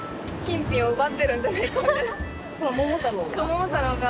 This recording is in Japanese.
桃太郎が？